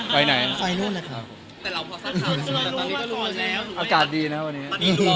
ถ้าเรารู้ก็ดีนะวันนี้